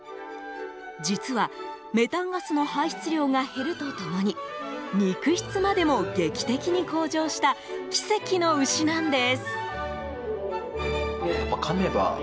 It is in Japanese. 実はメタンガスの排出量が減ると共に肉質までも劇的に向上した奇跡の牛なんです。